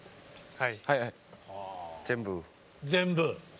はい。